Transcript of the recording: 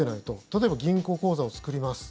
例えば銀行口座を作ります。